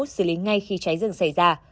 xử lý ngay khi cháy rừng xảy ra